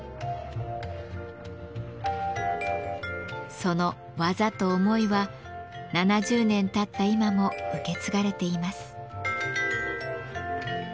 その技と思いは７０年たった今も受け継がれています。